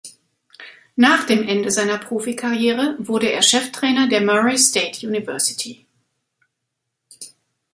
Nach dem Ende seiner Profikarriere wurde er Cheftrainer der Murray State University.